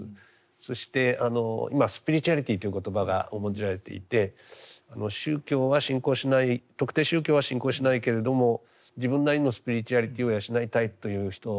そして今スピリチュアリティという言葉が重んじられていて宗教は信仰しない特定宗教は信仰しないけれども自分なりのスピリチュアリティを養いたいという人も多数いるんですがね。